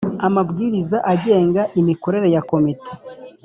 amabwiriza agenga imikorere ya Komite